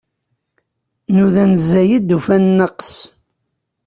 Nudan zzayed, ufan nnaqes.